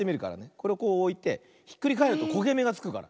これをこうおいてひっくりかえるとこげめがつくから。